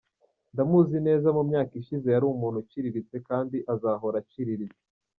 Ndamuzi neza mu myaka ishize yari umuntu uciriritse kandi azahora aciriritse.